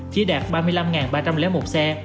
chỉ đạt ba mươi năm ba trăm linh một xe